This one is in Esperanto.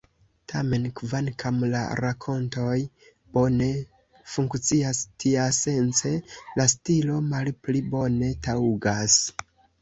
Tamen, kvankam la rakontoj bone funkcias tiasence, la stilo malpli bone taŭgas.